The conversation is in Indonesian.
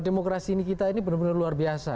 demokrasi kita ini benar benar luar biasa